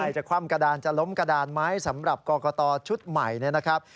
จะคว่ำกระดานจะล้มกระดานไหมสำหรับกรกตชุดใหม่นะครับ